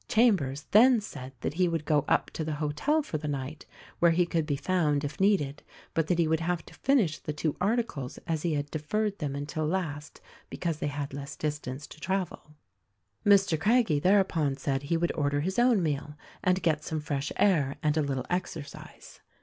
Chambers then said that he would go up to the hotel for the night, where he could be found if needed, but that he 142 THE RECORDING ANGEL would first have to finish the two articles as he had deferred them until last because they had less distance to travel. Mr. Craggie thereupon said he would order his own meal and get some fresh air and a little exercise.